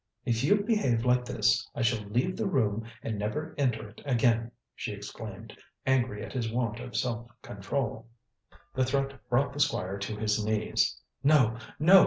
"If you behave like this, I shall leave the room and never enter it again," she exclaimed, angry at his want of self control. The threat brought the Squire to his knees. "No! no!